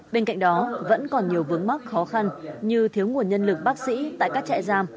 bên cạnh đó vẫn còn nhiều vướng mắc khó khăn như thiếu nguồn nhân lực bác sĩ tại các trại giam